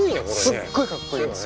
すっごいかっこいい。